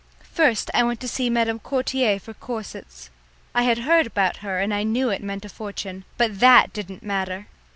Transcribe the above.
First I went to see Madam Courtier for corsets. I had heard about her, and I knew it meant a fortune. But that didn't matter!